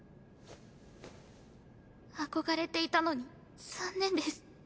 憧れていたのに残念です。